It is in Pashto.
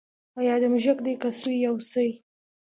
ایا دا موږک دی که سوی یا هوسۍ